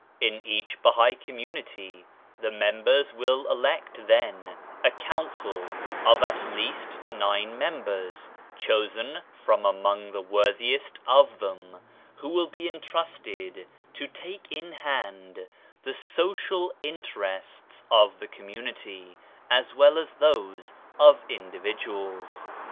In each Bahai community the members will elect, then, a council of at least nine members chosen from among the worthiest of them, who will be entrusted to take in hand the social interests of the community as well as those of individuals.